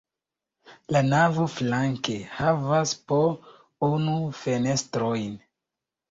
La navo flanke havas po unu fenestrojn.